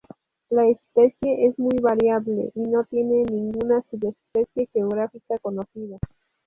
La especie es muy variable y no tiene ninguna subespecie geográfica conocida.